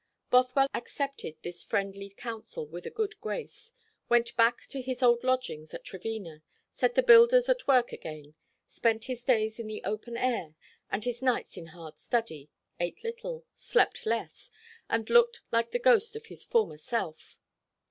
Bothwell accepted this friendly counsel with a good grace, went back to his old lodgings at Trevena, set the builders at work again, spent his days in the open air and his nights in hard study, ate little, slept less, and looked like the ghost of his former self.